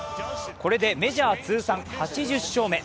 これでメジャー通算８０勝目。